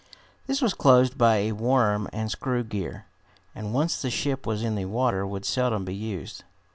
This was closed by a worm and screw gear, and once the ship was in the water would seldom be used.